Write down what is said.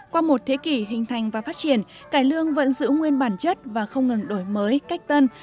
qua một thế kỷ hình thành và phát triển cải lương vẫn giữ nguyên bản chất và không ngừng đổi mới cách tân